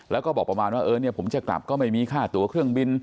แล้วก็บอกประมาณว่าเออเนี่ยผมจะกลับก็ไม่มีค่าตัวเครื่องบิน